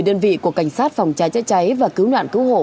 một mươi đơn vị của cảnh sát phòng trái cháy và cứu nạn cứu hộ